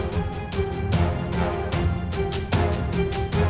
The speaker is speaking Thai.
โปรดติดตามตอนต่อไป